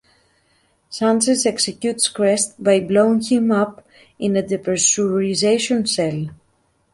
Sanchez executes Krest by blowing him up in a depressurization cell.